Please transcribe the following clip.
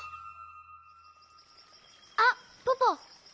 あっポポ。